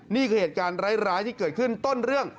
นี่คือเหตุการณ์ร้ายที่เกิดขึ้นต้นเรื่อง